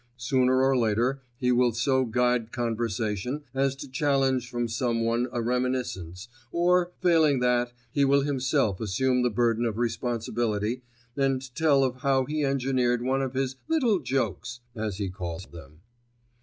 Sooner or later he will so guide conversation as to challenge from someone a reminiscence, or failing that, he will himself assume the burden of responsibility, and tell of how he engineered one of his "little jokes," as he calls them.